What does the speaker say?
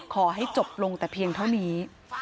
ขอให้จบลงแต่เพียงเท่านี้